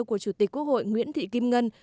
của chủ tịch quốc hội nguyễn thị kim ngân